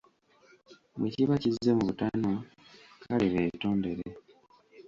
Bwekiba kizze mu butanwa, kale beetondere.